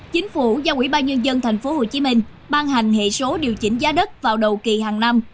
chính phủ do ubnd tp hcm ban hành hệ số điều chỉnh giá đất vào đầu kỳ hàng năm